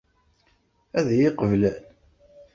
Ad iyi-qeblen?